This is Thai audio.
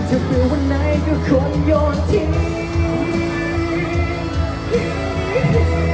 จะเป็นวันไหนก็ควรโยนที